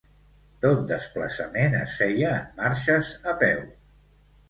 Tot desplaçament es feia en marxes a peu.